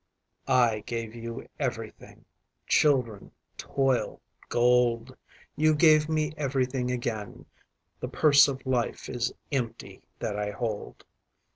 I gave you everything:Children, toil, gold. You gave me everything again—The purse of life is empty that I hold.